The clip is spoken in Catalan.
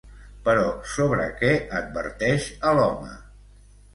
Però, sobre què adverteix a l'home?